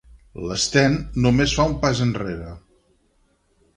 L'Sten només fa un pas enrere.